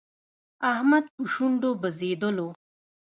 احمد په شونډو بزېدلو.